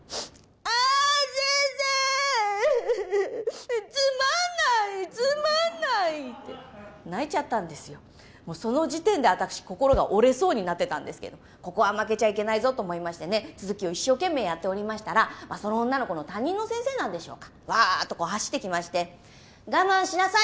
あーん、先生、つまんない、つまんないって、泣いちゃったんですよ、その時点で私、心が折れそうになってたんですけどここは負けちゃいけないぞと思いながら続きを一生懸命やっておりましたら、その女の子の担任の先生なんでしょうか、わーっと走ってきまして、我慢しなさい